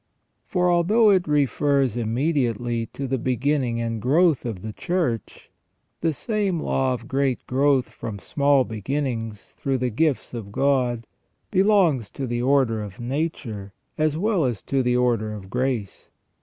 For although it refers immediately to the beginning and growth of the Church, the same law of great growth from small beginnings through the gifts of God belongs to the order of nature as well as to the order of grace.